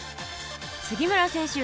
杉村選手